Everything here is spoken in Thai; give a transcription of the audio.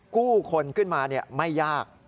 กู้คนขึ้นมาไม่ยาก